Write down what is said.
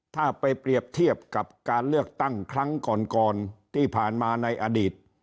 ถ้าไปเปรียบเทียบกับการเลือกตั้งครั้งก่อนก่อนที่ผ่านมาในอดีต